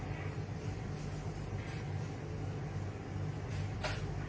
นี่อุบิตหรือไม่